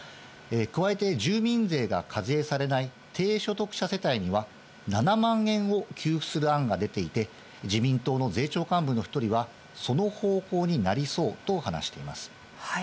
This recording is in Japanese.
加えて住民税が課税されない低所得者世帯には、７万円を給付する案が出ていて、自民党の税調幹部の１人はその方向になりそうと話しています。